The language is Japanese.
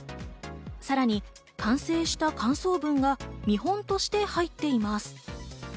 さらに完成した感想文が見本として入っています。